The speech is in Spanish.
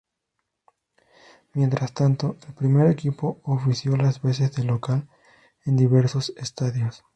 Mientras tanto, el primer equipo ofició las veces de local en diversos estadios.